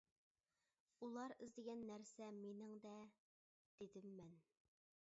— ئۇلار ئىزدىگەن نەرسە مېنىڭدە، — دېدىم مەن.